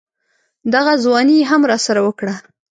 دغه ځواني يې هم راسره وکړه.